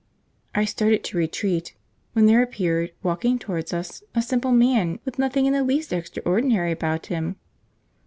I started to retreat, when there appeared, walking towards us, a simple man, with nothing in the least extraordinary about him.